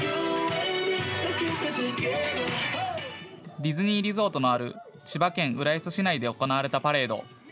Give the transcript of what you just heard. ディズニーリゾートのある千葉県浦安市内で行われたパレード。